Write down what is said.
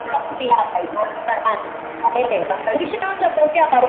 kuwaua wakaazi ambao walipita kwenye njia yao na kuchoma moto magari sita